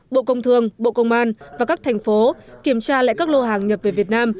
bộ công thương bộ công an và các thành phố kiểm tra lại các lô hàng nhập về việt nam